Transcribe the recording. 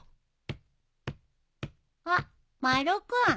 あっ丸尾君。